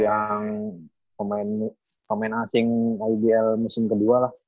yang main asing ibl musim ke dua lah